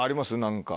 何か。